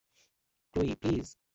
Chloe, please.